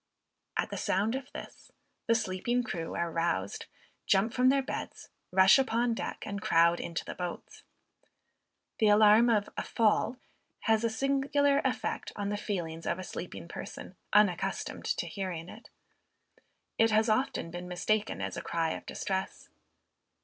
At the sound of this, the sleeping crew are roused, jump from their beds, rush upon deck, and crowd into the boats. The alarm of "a fall," has a singular effect on the feelings of a sleeping person, unaccustomed to hearing it. It has often been mistaken as a cry of distress.